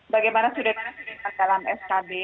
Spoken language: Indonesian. bagaimana sudah di dalam skb